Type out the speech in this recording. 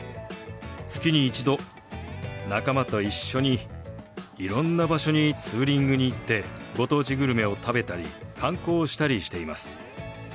月に一度仲間と一緒にいろんな場所にツーリングに行ってご当地グルメを食べたり観光をしたりしています。